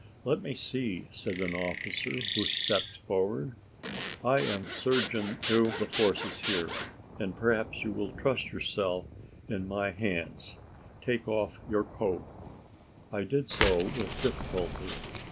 "Let me see," said an officer, who stepped forward; "I am surgeon to the forces here, and perhaps you will trust yourself in my hands. Take off your coat." I did so with difficulty.